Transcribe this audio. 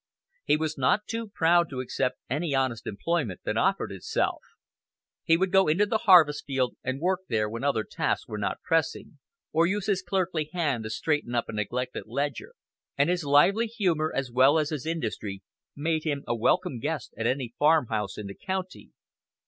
He was not too proud to accept any honest employment that offered itself. He would go into the harvest field and work there when other tasks were not pressing, or use his clerkly hand to straighten up a neglected ledger; and his lively humor, as well as his industry, made him a welcome guest at any farm house in the county.